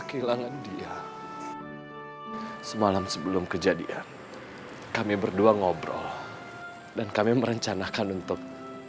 kehilangan dia semalam sebelum kejadian kami berdua ngobrol dan kami merencanakan untuk